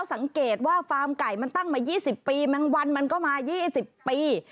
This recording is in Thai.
สังเกตว่าฟาร์มไก่มันตั้งมา๒๐ปีแมงวันมันก็มา๒๐ปี